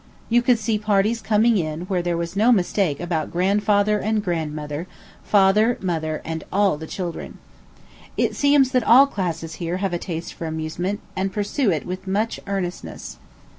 You could see parties coming in where there was no mistake about grandfather and grandmother, father, mother, and all the children. It seems that all classes here have a taste for amusement, and pursue it with much earnestness.